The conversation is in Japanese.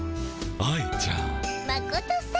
あ愛ちゃん。